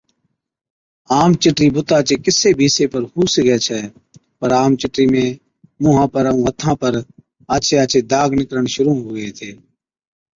عام چِٽرِي بُتا چي ڪِسي بِي حصي پر هُو سِگھَي ڇَي، پَر عام چِٽرِي ۾ مُونهان پر ائُون هٿان پر آڇي آڇي داگ نِڪرڻ شرُوع هُوي هِتي۔